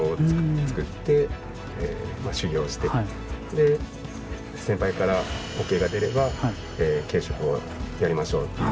で先輩からＯＫが出れば頸飾をやりましょうっていう。